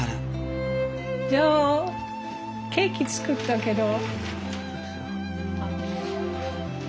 ジョーケーキ作ったけど。